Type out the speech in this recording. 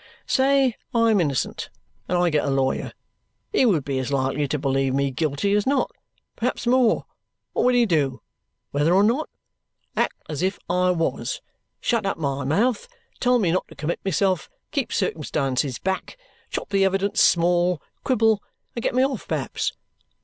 Say I am innocent and I get a lawyer. He would be as likely to believe me guilty as not; perhaps more. What would he do, whether or not? Act as if I was shut my mouth up, tell me not to commit myself, keep circumstances back, chop the evidence small, quibble, and get me off perhaps!